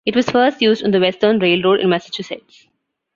It was first used on the Western Railroad in Massachusetts.